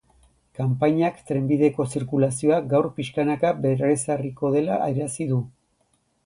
Konpainiak trenbideko zirkulazioa gaur pixkanaka berrezarriko dela adierazi du.